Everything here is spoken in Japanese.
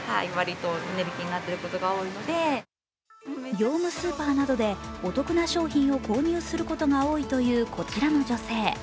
業務スーパーなどで、お得な商品を購入することが多いというこちらの女性。